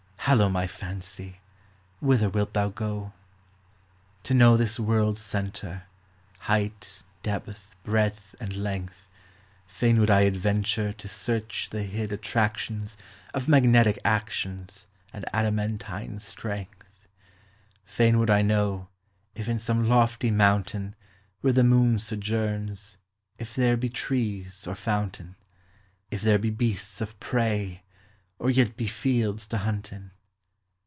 Hallo, my fancy, whither wilt thou go ? To know this world's centre, Height, depth, breadth, and length, Fain would I adventure I To search the hid attractions Of magnetic actions, And adamantine strength. Fain would I know, if in some lofty mountain, Where the moon sojourns, if there be trees or fountain ; If there be beasts of prey, or yet be fields to hunt in.